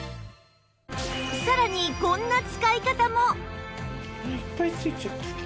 さらにこんな使い方も